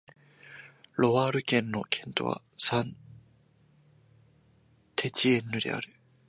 ロワール県の県都はサン＝テチエンヌである